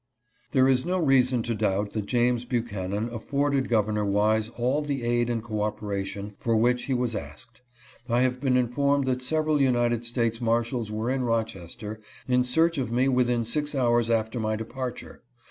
There is no reason to doubt that James Buchanan af forded Governor Wise all the aid and cooperation for which he was asked. I have been informed that several 16 S80 TERROR STRICKEN SLAVEHOLDERS. United States marshals were in Rochester in search of me within six hours after my departure.